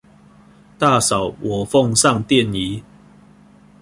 大嫂，我奉上奠儀